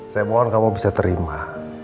saya mohon kamu bisa terima